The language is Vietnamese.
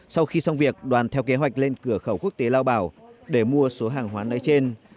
sau khi xong việc đoàn theo kế hoạch lên cửa khẩu quốc tế lao bảo để mua số hàng hóa nói trên